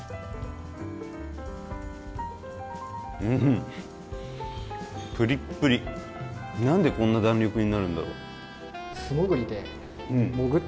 うんプリップリ何でこんな弾力になるんだろう？